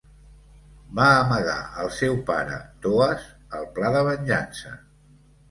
Va amagar al seu pare, Thoas, el pla de venjança.